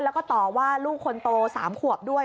แล้วก็ต่อว่าลูกคนโต๓ขวบด้วย